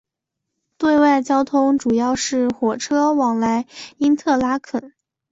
对外交通主要是火车往来因特拉肯。